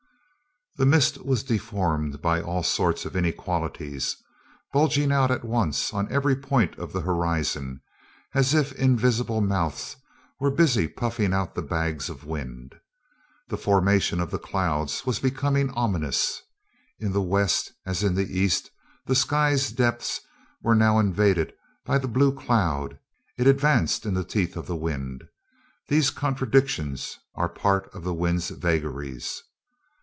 The mist was deformed by all sorts of inequalities, bulging out at once on every point of the horizon, as if invisible mouths were busy puffing out the bags of wind. The formation of the clouds was becoming ominous. In the west, as in the east, the sky's depths were now invaded by the blue cloud: it advanced in the teeth of the wind. These contradictions are part of the wind's vagaries.